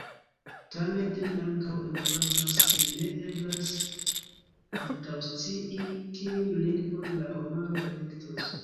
Tamen ili ankaŭ emfazas, ke ne eblas antaŭscii, kiun lingvon la homaro elektos.